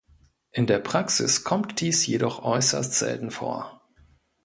In der Praxis kommt dies jedoch äußerst selten vor.